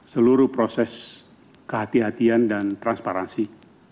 seluruh proses kehatian kehatian dan transparansi